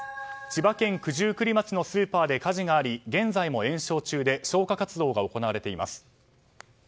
千葉県九十九里町のスーパーで火事があり現在も延焼中で消火活動が行われています。